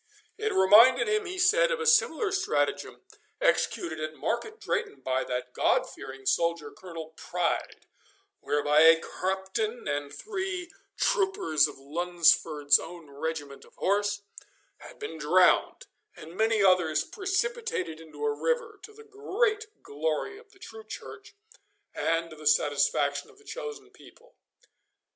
It reminded him, he said, of a similar stratagem executed at Market Drayton by that God fearing soldier Colonel Pride, whereby a captain and three troopers of Lunsford's own regiment of horse had been drowned, and many others precipitated into a river, to the great glory of the true Church and to the satisfaction of the chosen people.